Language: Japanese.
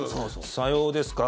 さようですか。